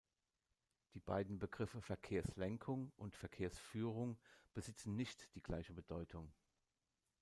Die beiden Begriffe "Verkehrslenkung" und "Verkehrsführung" besitzen nicht die gleiche Bedeutung.